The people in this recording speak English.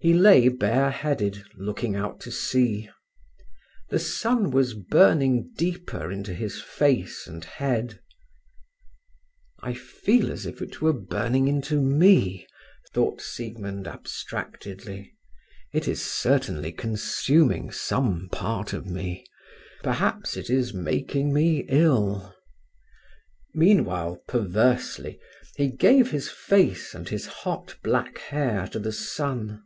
He lay bare headed, looking out to sea. The sun was burning deeper into his face and head. "I feel as if it were burning into me," thought Siegmund abstractedly. "It is certainly consuming some part of me. Perhaps it is making me ill." Meanwhile, perversely, he gave his face and his hot black hair to the sun.